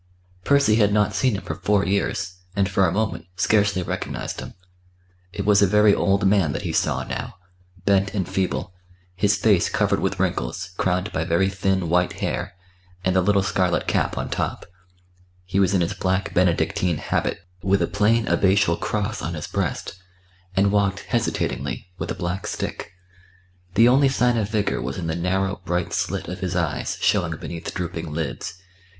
Percy had not seen him for four years, and for a moment scarcely recognised him. It was a very old man that he saw now, bent and feeble, his face covered with wrinkles, crowned by very thin, white hair, and the little scarlet cap on top; he was in his black Benedictine habit with a plain abbatial cross on his breast, and walked hesitatingly, with a black stick. The only sign of vigour was in the narrow bright slit of his eyes showing beneath drooping lids.